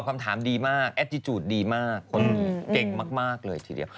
แอตติจูดดีมากคนเก่งมากเลยทีเดียว